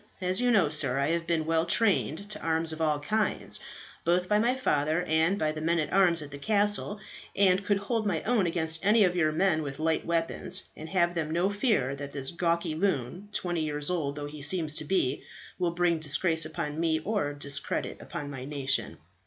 "As you know, sir, I have been well trained to arms of all kinds, both by my father and by the men at arms at the castle, and could hold my own against any of your men with light weapons, and have then no fear that this gawky loon, twenty years old though he seems to be, will bring disgrace upon me or discredit upon my nation."